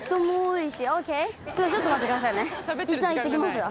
いったん行ってきますわ。